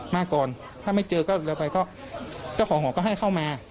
มาก่อนถ้าไม่เจอก็เร็วไปก็เจ้าของหอก็ให้เข้ามา